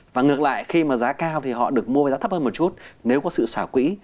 và ngược lại khi mà giá cao thì họ được mua với giá thấp hơn một chút nếu có sự xả quỹ